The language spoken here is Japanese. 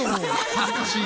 恥ずかしい。